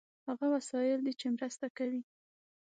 هغه وسایل دي چې مرسته کوي.